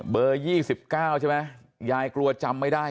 เบอร์๒๙ใช่ไหมยายกลัวจำไม่ได้